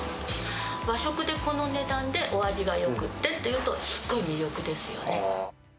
和食でこの値段で、お味がよくてっていうと、すごい魅力ですよね。